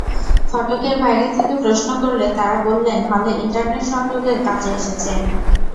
ফটকের বাইরে থেকে প্রশ্ন করলে তাঁরা বললেন, হলে ইন্টারনেট সংযোগের কাজে এসেছেন।